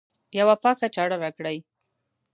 یوه پاکي چاړه راکړئ